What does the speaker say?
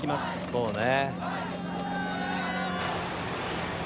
そうね。